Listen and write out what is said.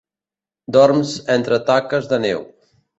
Dorms entre taques de neu.